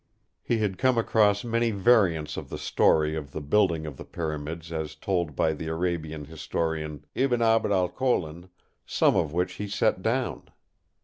He had come across many variants of the story of the building of the Pyramids as told by the Arabian historian, Ibn Abd Alhokin, some of which he set down.